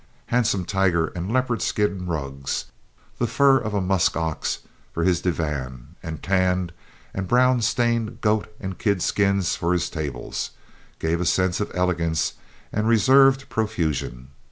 Handsome tiger and leopard skin rugs, the fur of a musk ox for his divan, and tanned and brown stained goat and kid skins for his tables, gave a sense of elegance and reserved profusion.